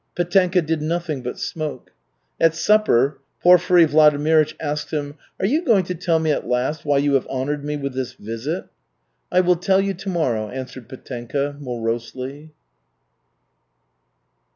Petenka did nothing but smoke. At supper Porfiry Vladimirych asked him: "Are you going to tell me at last why you have honored me with this visit?" "I will tell you tomorrow," answered Petenka morosely.